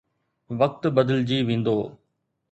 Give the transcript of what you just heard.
وقت بدلجي ويندو.